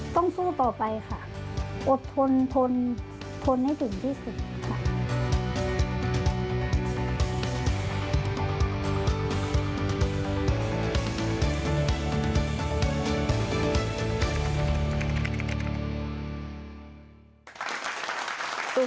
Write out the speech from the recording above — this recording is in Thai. สู้ต่อไปค่ะอดทนทนทนให้ถึงที่สุดค่ะ